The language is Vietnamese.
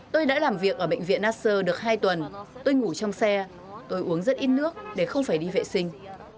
tôi đã làm việc ở bệnh viện nasser được hai tuần tôi ngủ trong xe tôi uống rất ít nước để không phải đi vệ sinh